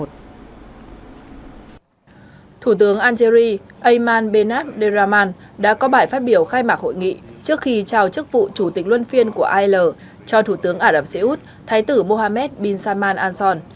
thủ tướng algeri ayman benabderrahman đã có bài phát biểu khai mạc hội nghị trước khi trao chức vụ chủ tịch luân phiên của al cho thủ tướng ả rập xê út thái tử mohammed bin salman al sol